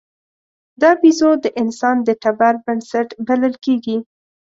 دا بیزو د انسان د ټبر بنسټ بلل کېږي.